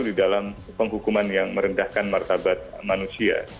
di dalam penghukuman yang merendahkan martabat manusia